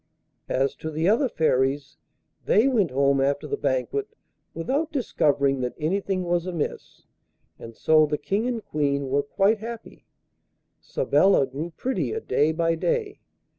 As to the other Fairies, they went home after the banquet without discovering that anything was amiss, and so the King and Queen were quite happy. Sabella grew prettier day by day.